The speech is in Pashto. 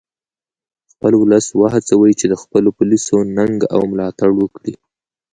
خپل ولس و هڅوئ چې د خپلو پولیسو ننګه او ملاتړ وکړي